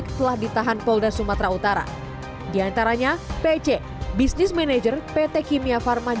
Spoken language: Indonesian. kok tahu ini limba covid kan